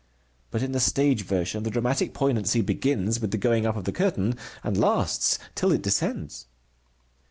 But in the stage version the dramatic poignancy begins with the going up of the curtain, and lasts till it descends.